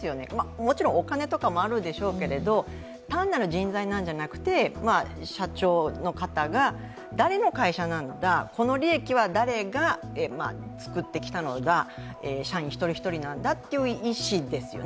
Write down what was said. もちろんお金とかもあるでしょうけれども、単なる人材なんじゃなくて社長の方が、誰の会社なんだ、この利益は誰が作ってきたのだ社員一人一人なんだという意思ですよね。